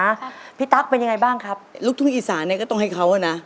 ครับพี่ตั๊กเป็นยังไงบ้างครับลูกทุ่งอีสานเนี้ยก็ต้องให้เขาอ่ะนะ